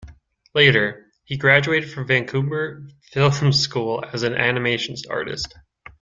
Later, he graduated from Vancouver Film School as an animation artist.